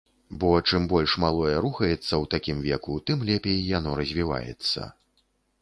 Бо чым больш малое рухаецца ў такім веку, тым лепей яно развіваецца.